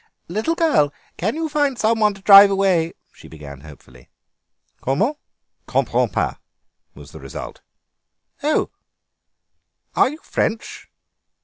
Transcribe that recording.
"Little girl, can you find some one to drive away—" she began hopefully. "Comment? Comprends pas," was the response. "Oh, are you French?